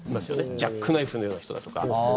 ジャックナイフのような人だとか。